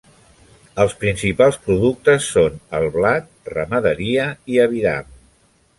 Els principals productes són el blat, ramaderia i aviram.